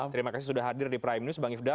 terima kasih sudah hadir di prime news